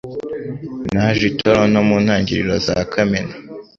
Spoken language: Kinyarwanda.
Naje i Toronto mu ntangiriro za Kamena.